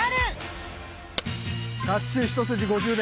甲冑一筋５０年。